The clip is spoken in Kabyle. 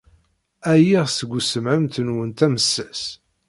Ɛyiɣ seg ussemɛen-nwent amessas.